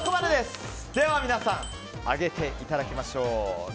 では皆さん上げていただきましょう。